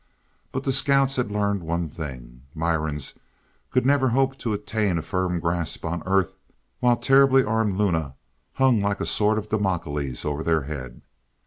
But the scouts had learned one thing. Mirans could never hope to attain a firm grasp on Earth while terribly armed Luna hung like a Sword of Damocles over their heads.